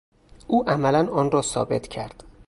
او عملا آن را ثابت کرد.